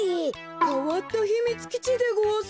かわったひみつきちでごわす。